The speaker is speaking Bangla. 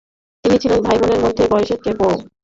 তিনি ছিলেন ভাই ও বোনদের মধ্যে বয়সে সবচেয়ে বড়।